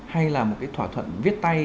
hay là một thỏa thuận viết tay